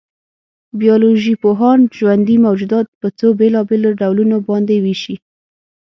بایولوژيپوهان ژوندي موجودات په څو بېلابېلو ډولونو باندې وېشي.